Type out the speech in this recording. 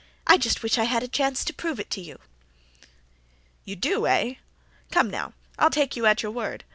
"I just wish I had a chance to prove it to you." "You do, eh? Come, now, I'll take you at your word.